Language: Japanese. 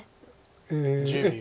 ええ。